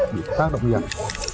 bị tác động nhiệt